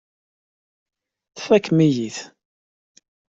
Tfakem-iyi-tt.